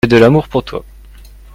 J'ai de l'amour pour toi.